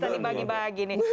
bisa dibagi bagi nih